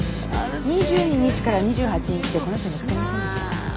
２２日から２８日でこの人見掛けませんでした？